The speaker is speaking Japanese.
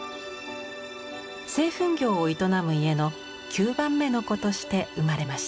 製粉業を営む家の９番目の子として生まれました。